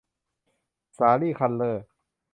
สาลี่ คัลเล่อร์